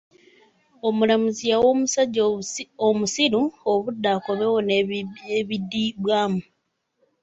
Omulamuzi yawa omusajja omusiru obudde akomewo n'ebidibwamu.